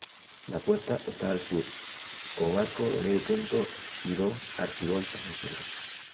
La puerta está al sur, con arco de medio punto y dos arquivoltas encima.